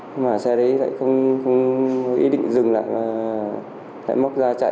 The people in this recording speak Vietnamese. nhưng mà xe đấy lại không ý định dừng lại và lại móc ra chạy